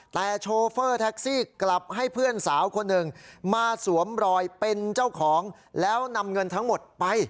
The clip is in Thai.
แต่โชเฟอร์แท็กซี่กลับให้เพื่อนสาวคนหนึ่งมาสวมรอยเป็นเจ้าของแล้วนำเงินทั้งหมดไป